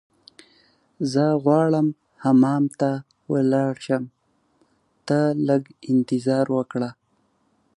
زه غواړم حمام ته ولاړ شم، ته لږ انتظار وکړه.